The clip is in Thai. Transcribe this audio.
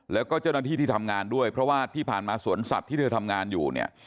แล้วก็เจ้าหน้าที่ที่ทำงานด้วยเพราะว่าที่ผ่านมาสวนสัตว์ที่เธอทำงานอยู่เนี่ย